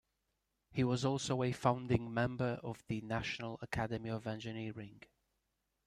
He was also a founding member of the National Academy of Engineering.